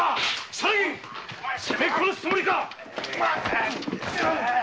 如月責め殺すつもりか！